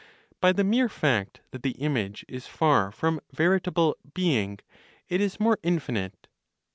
By the mere fact that the image is far from veritable "being," it is more infinite.